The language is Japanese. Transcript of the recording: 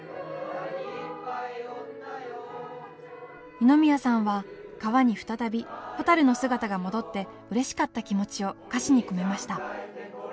二宮さんは川に再びほたるの姿が戻ってうれしかった気持ちを歌詞に込めました。